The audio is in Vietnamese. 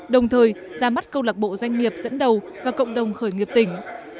đồng thời ra mắt câu lạc bộ doanh nghiệp dẫn đầu và cộng đồng khởi nghiệp tỉnh